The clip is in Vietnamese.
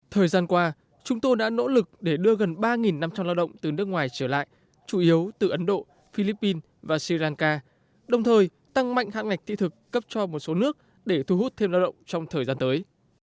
thời gian qua chúng tôi đã nỗ lực để đưa gần ba năm trăm linh lao động từ nước ngoài trở lại chủ yếu từ ấn độ philippines và sri lanka đồng thời tăng mạnh hạn ngạch thị thực cấp cho một số nước để thu hút thêm lao động trong thời gian tới